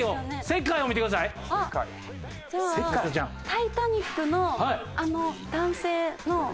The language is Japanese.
『タイタニック』の男性の。